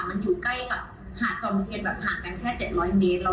แล้วก็เหมือนอยากจะ